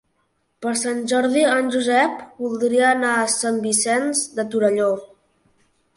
Per Sant Jordi en Josep voldria anar a Sant Vicenç de Torelló.